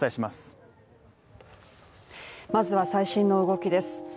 まずは最新の動きです。